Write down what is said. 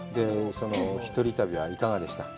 一人旅はいかがでした？